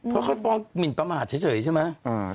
เพราะเขาฟ้องหมินประมาทเฉยใช่ไหม